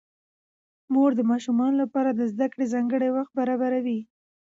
مور د ماشومانو لپاره د زده کړې ځانګړی وخت برابروي